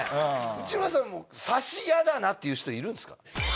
内村さんもサシ嫌だなっていう人いるんすか？